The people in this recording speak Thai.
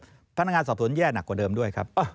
พนักงานสอบสวนแย่หนักกว่าเดิมด้วยครับ